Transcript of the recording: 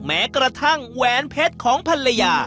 แม้กระทั่งแหวนเพชรของภรรยา